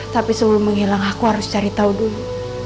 tapi sebelum menghilang aku harus cari tahu dulu